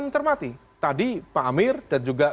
mencermati tadi pak amir dan juga